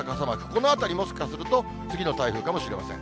このあたり、もしかすると、次の台風かもしれません。